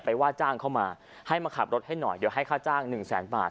ว่าจ้างเข้ามาให้มาขับรถให้หน่อยเดี๋ยวให้ค่าจ้างหนึ่งแสนบาท